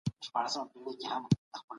استازي ولي د ماشومانو حقونه پلي کوي؟